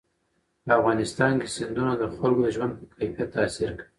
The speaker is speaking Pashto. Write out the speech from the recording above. په افغانستان کې سیندونه د خلکو د ژوند په کیفیت تاثیر کوي.